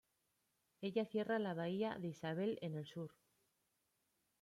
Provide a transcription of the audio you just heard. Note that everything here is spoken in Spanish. Ella cierra la bahía de Isabel en el sur.